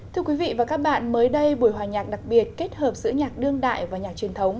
thưa quý vị và các bạn mới đây buổi hòa nhạc đặc biệt kết hợp giữa nhạc đương đại và nhạc truyền thống